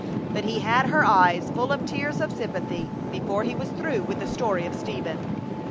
But he had her eyes full of tears of sympathy before he was through with the story of Stephen.